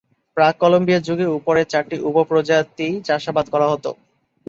প্রাক-কলম্বিয়া যুগে উপরের চারটি উপ-প্রজাতিই চাষাবাদ করা হতো।